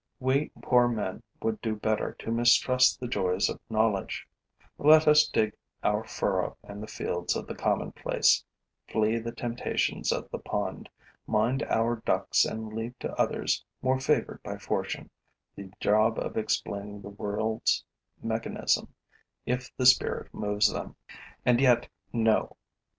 We poor men would do better to mistrust the joys of knowledge: let us dig our furrow in the fields of the commonplace, flee the temptations of the pond, mind our ducks and leave to others, more favored by fortune, the job of explaining the world's mechanism, if the spirit moves them. And yet no!